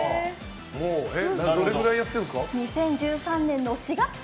どれぐらいやってるんですか？